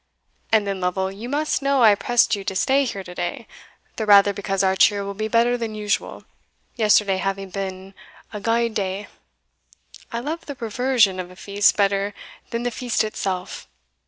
And then, Lovel, you must know I pressed you to stay here to day, the rather because our cheer will be better than usual, yesterday having been a gaude' day I love the reversion of a feast better than the feast itself.